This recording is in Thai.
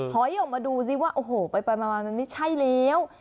ถอยออกมาดูซิไปมันไม่ใช่เรียว